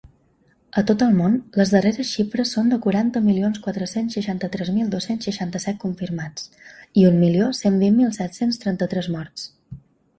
A tot el món, les darreres xifres són de quaranta milions quatre-cents seixanta-tres mil dos-cents seixanta-set confirmats i un milió cent vint mil set-cents trenta-tres morts.